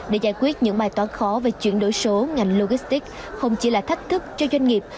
để giải quyết những bài toán khó về chuyển đổi số ngành logistics không chỉ là thách thức cho doanh nghiệp